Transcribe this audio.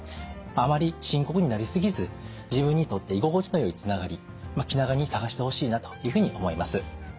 あまり深刻になり過ぎず自分にとって居心地のよいつながり気長に探してほしいなというふうに思います。